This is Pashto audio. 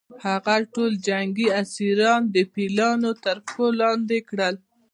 هغه ټول جنګي اسیران د پیلانو تر پښو لاندې کړل.